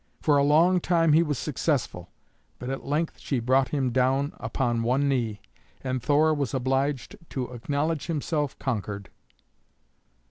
For a long time he was successful, but at length she brought him down upon one knee, and Thor was obliged to acknowledge himself conquered.